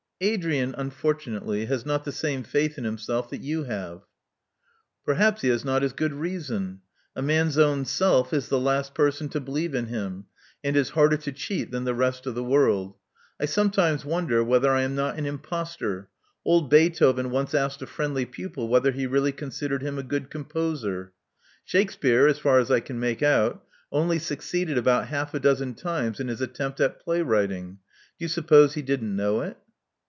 "* 'Adrian, unfortunately, has not the same faith in himself that you have. ''Perhaps he has not as good reason. A man's own self is the last person to believe in him, and is harder to cheat than the rest of the world. I sometimes wonder whether I am not an impostor. Old Bee thoven once asked a friendly pupil whether he really considered him a good composer. Shakspere, as far as I can make out, only succeeded about half a dozen times in his attempt at play writing. Do you suppose he didn't know it?